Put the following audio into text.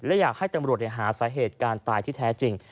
และอยากให้ตำรวจหาสาเหตุการณ์ตายที่แท้จริง